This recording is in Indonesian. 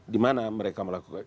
di mana mereka melakukan